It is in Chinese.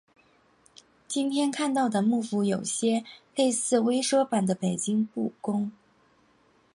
今天看到的木府有些类似微缩版的北京故宫。